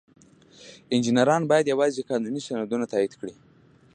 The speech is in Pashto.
انجینران باید یوازې قانوني سندونه تایید کړي.